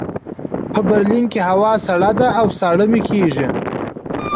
په برلین کې هوا سړه ده او ساړه مې کېږي